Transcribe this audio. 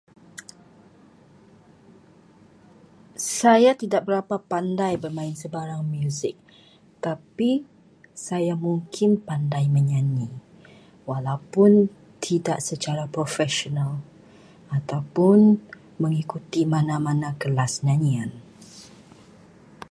Saya tidak berapa pandai bermain sebarang muzik, tetapi saya mungkin pandai menyanyi. Walaupun tidak secara profesional ataupun tidak mengikuti mana-mana kelas nyanyian.